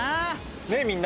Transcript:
ねえみんな！